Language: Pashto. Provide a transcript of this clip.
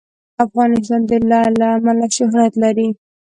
افغانستان د لعل له امله شهرت لري.